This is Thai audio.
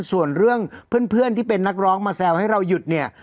ส่วนเรื่องเพื่อนที่เป็นนักร้องมาแซวให้เราหยุดเนี่ย